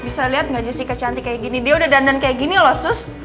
bisa liat gak jessica cantik kayak gini dia udah dandan kayak gini lho sus